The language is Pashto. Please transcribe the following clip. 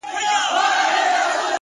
نیک عمل د خلکو په زړونو کې پاتې کېږي